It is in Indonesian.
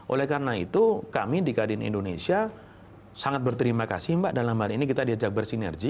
oleh karena itu kami di kadin indonesia sangat berterima kasih mbak dalam hari ini kita diajak bersinergi